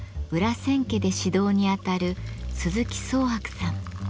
千家で指導にあたる鈴木宗博さん。